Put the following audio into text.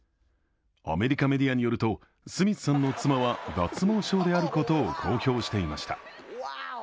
アメリカメディアによるとスミスさんの妻は脱毛症であることを公表していました。